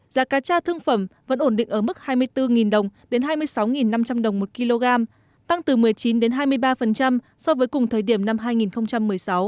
giá cá cha thương phẩm vẫn ổn định ở mức hai mươi bốn đồng đến hai mươi sáu năm trăm linh đồng một kg tăng từ một mươi chín đến hai mươi ba so với cùng thời điểm năm hai nghìn một mươi sáu